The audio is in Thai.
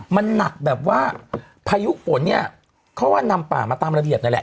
มันหนักแบบว่าพายุฝนเนี่ยเขาว่านำป่ามาตามระเบียบนั่นแหละ